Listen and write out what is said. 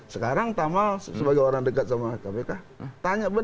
sekarang tamal sebagai orang dekat sama kpk tanya